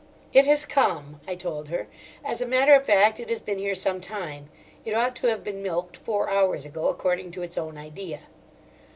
"It has come," I told her. "As a matter of fact, it has been here some time. It ought to have been milked four hours ago, according to its own idea."